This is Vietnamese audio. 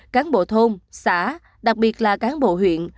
cáng bộ thôn xã đặc biệt là cáng bộ huyện